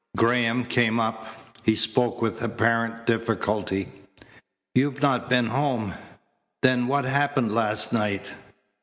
Graham came up. He spoke with apparent difficulty. "You've not been home. Then what happened last night?